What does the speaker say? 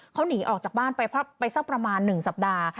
เขาหนีออกจากบ้านไปสักประมาณ๑สัปดาห์